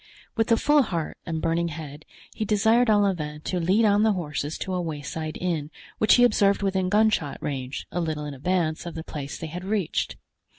With a full heart and burning head he desired Olivain to lead on the horses to a wayside inn, which he observed within gunshot range, a little in advance of the place they had reached.